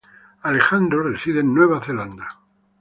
Alejandro reside en Nueva Zelanda.